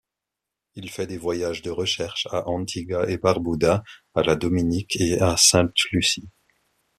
Il fait des voyages de recherches à Antigua-et-Barbuda, à la Dominique et à Sainte-Lucie.